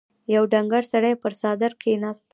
يو ډنګر سړی پر څادر کېناست.